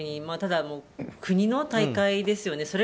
ただ、国の大会ですよね。